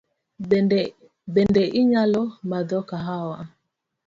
Bende inyalo madho kahawa?